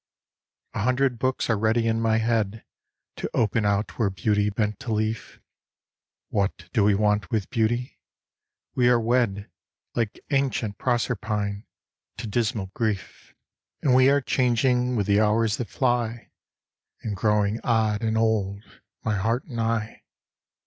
A hundred books are ready in my head To open out where Beauty bent a leaf. What do we want with Beauty ? We are wed Like ancient Proserpine to dismal grief. 129 130 GROWING OLD And we are changing with the hours that fly, And growing odd and old, my heart and I.